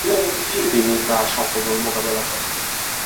তিনি তা সফলভাবে মোকাবেলা করেন।